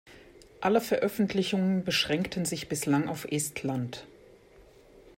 Alle Veröffentlichungen beschränkten sich bislang auf Estland.